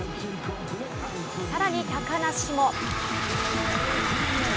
さらに高梨も。